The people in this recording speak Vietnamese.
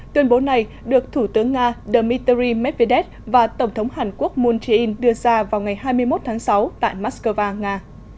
tuyên bố này được thủ tướng nga dmitry medvedev và tổng thống hàn quốc moon jae in đưa ra vào ngày hai mươi một tháng sáu tại moscow nga